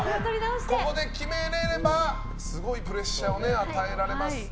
ここで決めればすごいプレッシャーを与えられます。